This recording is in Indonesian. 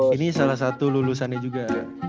ini salah satu lulusannya juga